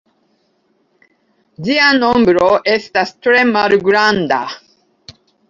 Ĝia nombro estas tre malgranda.